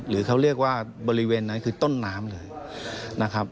หรือเขาเรียกว่าบริเวณนั้นคือต้นน้ำเลยนะครับ